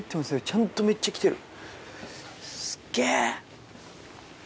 ちゃんとめっちゃ来てる。